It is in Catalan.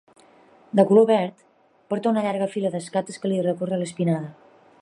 De color verd, porta una llarga fila d'escates que li recorre l'espinada.